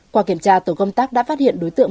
qua kiểm tra tổ công tác đã phát hiện đối tượng